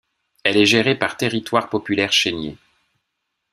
Elle est gérée par Territoire populaire Chénier.